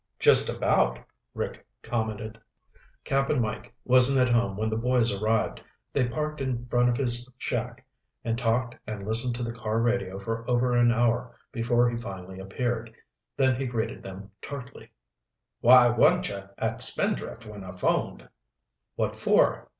"Just about," Rick commented. Cap'n Mike wasn't at home when the boys arrived. They parked in front of his shack and talked and listened to the car radio for over an hour before he finally appeared, then he greeted them tartly. "Why weren't you at Spindrift when I phoned?" "What for?"